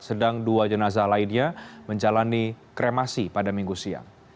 sedang dua jenazah lainnya menjalani kremasi pada minggu siang